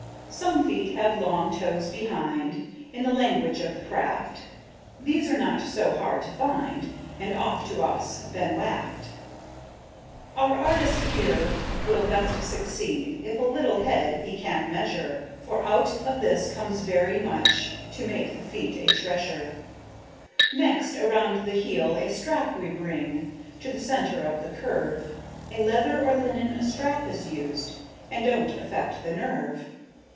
Some feet have long toes behind In the language of the craft; These are not so hard to find, And oft to us been waft. Our Artist here will best succeed, If a little head he can measure, For out of that comes very much To make the feet a treasure. Next, around the heel a strap we bring, To the centre of the curve, A leather or linen strap is used, And don't affect the nerve.